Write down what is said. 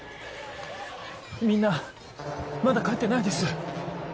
みんなまだ帰ってないです！